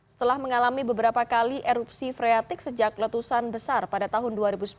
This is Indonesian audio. setelah mengalami beberapa kali erupsi freatik sejak letusan besar pada tahun dua ribu sepuluh